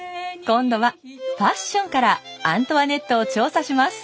今度はファッションからアントワネットを調査します。